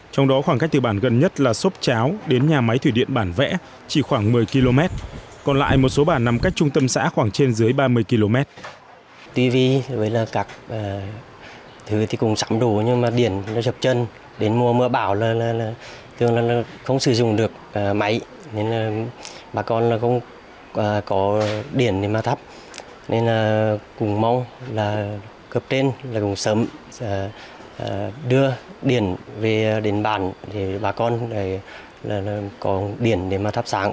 trong đó khoảng cách từ bản gần nhất là sốp cháo đến nhà máy thủy điện bản vẽ chỉ khoảng một mươi km còn lại một số bản nằm cách trung tâm xã khoảng trên dưới ba mươi km